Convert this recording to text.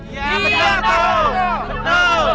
iya betul pak